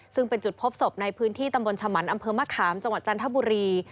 ซึ่งเป็นจุดพบศพในพื้นที่ตำบลชะมันอำเภอมะขามจังหวัดจันทบุรี